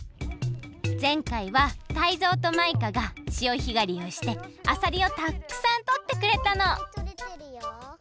ぜんかいはタイゾウとマイカがしおひがりをしてあさりをたっくさんとってくれたの！